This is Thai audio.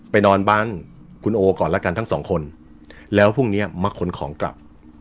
นอนบ้านคุณโอก่อนละกันทั้งสองคนแล้วพรุ่งเนี้ยมาขนของกลับ